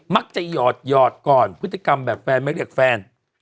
มักจะหยอดพื้นกำแบบแฟนไม่เรียกแฟน